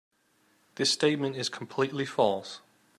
This statement is completely false.